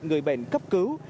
người bệnh cấp cứu